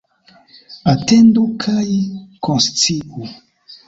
Atendu kaj konsciu.